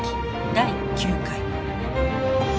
第９回。